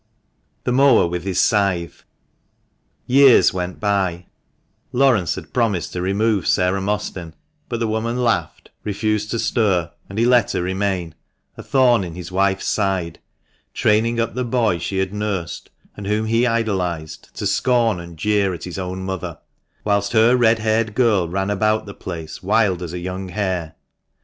THE MOWER WITH HIS SCYTHE. NEW BAILEY PRISON. EARS went by — Laurence had promised to remove Sarah Mostyn, but the woman laughed, refused to stir, and he let her remain — a thorn in his wife's side — training up the boy she had nursed, and whom he idolised, to scorn and jeer at his own mother; whilst her red haired girl ran about the place wild as a young hare.